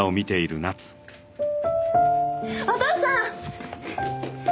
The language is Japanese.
お父さん！